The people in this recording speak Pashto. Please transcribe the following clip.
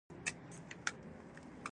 زردالو د زړه لپاره ښه ده.